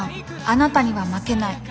あなたには負けない。